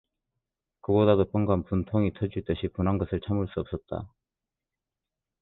그보다도 금방 분통이 터질 듯이 분한 것을 참을 수 없었다.